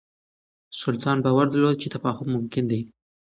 سلطان باور درلود چې تفاهم ممکن دی.